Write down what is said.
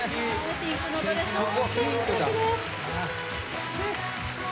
ピンクのドレス、本当にすてきです。